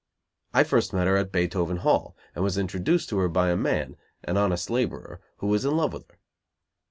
I first met her at Beethoven Hall, and was introduced to her by a man, an honest laborer, who was in love with her.